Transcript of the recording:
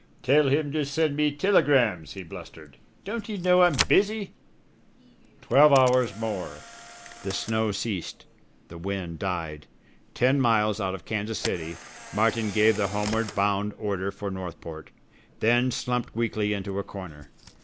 "Tell him to send me tilegrams!" he blustered. "Don't he know I'm busy?" Twelve hours more. The snow ceased. The wind died. Ten miles out of Kansas City Martin gave the homeward bound order for Northport, then slumped weakly into a corner.